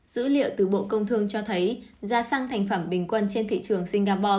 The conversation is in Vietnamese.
dữ liệu từ bộ công thương cho thấy giá xăng thành phẩm bình quân trên thị trường singapore